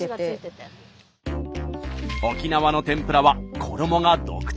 沖縄の天ぷらは衣が独特。